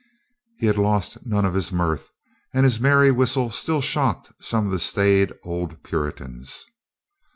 He had lost none of his mirth, and his merry whistle still shocked some of the staid old Puritans.